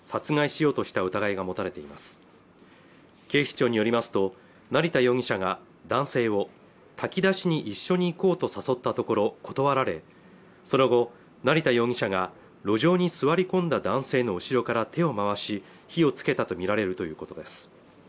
警視庁によりますと成田容疑者が男性を炊き出しに一緒に行こうと誘ったところ断られその後、成田容疑者が路上に座り込んだ男性の後ろから手を回し火をつけたとみられるということです